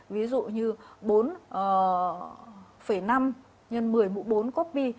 ví dụ như bốn năm x một mươi mũ bốn copy